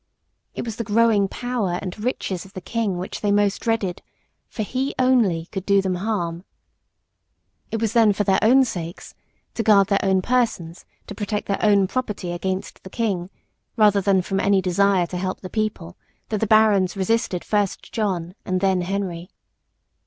It was the growing power and riches of the King which they most dreaded, for he only could do them harm. It was then for their own sakes to guard their own persons, to protect their own property against the King rather than from any desire to help the people, that the barons resisted first John and then Henry.